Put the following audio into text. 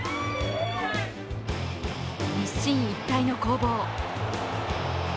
一進一退の攻防。